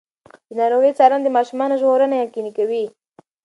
د ناروغۍ څارنه د ماشومانو ژغورنه یقیني کوي.